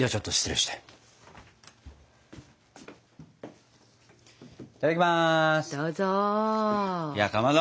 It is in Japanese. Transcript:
いただきます！